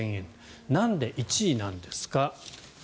なんで１位なんですか。